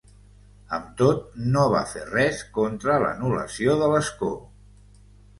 Amb tot, no va fer res contra l’anul·lació de l’escó.